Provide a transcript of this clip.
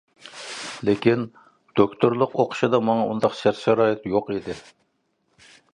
لېكىن، دوكتورلۇق ئوقۇشىدا ماڭا ئۇنداق شەرت-شارائىت يوق ئىدى.